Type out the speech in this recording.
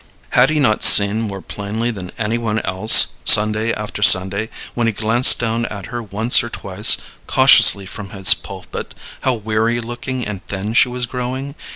Had he not seen more plainly than any one else, Sunday after Sunday, when he glanced down at her once or twice cautiously from his pulpit, how weary looking and thin she was growing?